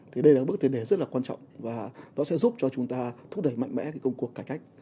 thì đây là bước tiến đề rất là quan trọng và nó sẽ giúp cho chúng ta thúc đẩy mạnh mẽ công cuộc cải cách